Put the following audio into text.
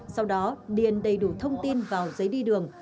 sau đó điền đầy đủ thông tin vào giấy đi đường